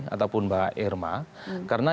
ataupun mbak irma karena